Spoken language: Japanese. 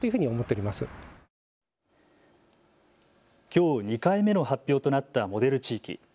きょう２回目の発表となったモデル地域。